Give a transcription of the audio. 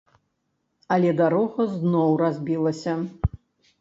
Але дарога зноў разбілася.